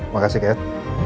makasih kak ed